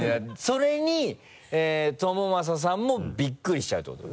それに朝将さんもビックリしちゃうってこと？